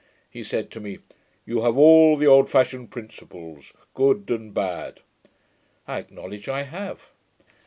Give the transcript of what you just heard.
He said to me, 'You have all the old fashioned principles, good and bad.' I acknowledge I have.